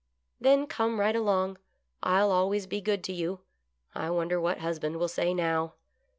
" Then come right along; I'll always be good to you ; I wonder what husband will say now